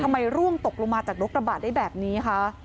ร่วงตกลงมาจากรถกระบะได้แบบนี้คะ